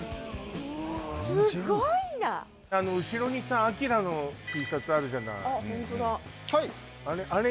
すごいな後ろにさ「ＡＫＩＲＡ」のＴシャツあるじゃないあっ